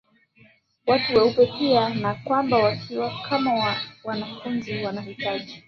Watu weupe pia na kwamba wakiwa kama wanfunzi wanahitaji